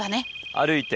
歩いて。